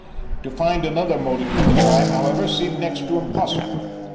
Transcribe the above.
To find another motive for the crime, however, seemed next to impossible.